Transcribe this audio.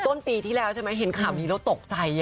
ต้นปีที่แล้วใช่ไหมเห็นข่าวนี้แล้วตกใจ